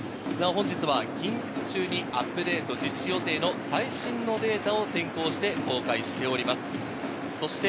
本日は近日中にアップデート実施予定の最新のデータを先行して公開しております。